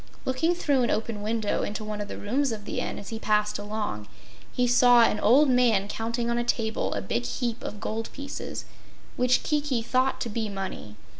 Looking through an open window into one of the rooms of the Inn, as he passed along, he saw an old man counting on a table a big heap of gold pieces, which Kiki thought to be money.